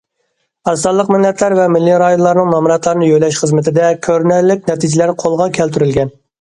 ئاز سانلىق مىللەتلەر ۋە مىللىي رايونلارنىڭ نامراتلارنى يۆلەش خىزمىتىدە كۆرۈنەرلىك نەتىجىلەر قولغا كەلتۈرۈلگەن.